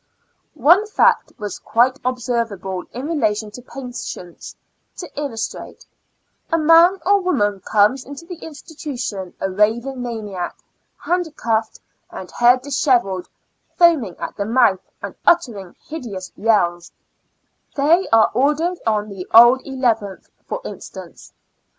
One fact was quite observable in relation to patients, to illustrate : A man or woman comes into the institution a raving maniac, hand cuffed, and hair dishevelled, foaming at the mouth and uttering hideous yells; they are ordered on the old eleventh, for instance.